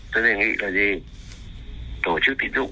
tôi đề nghị là vì tổ chức tín dụng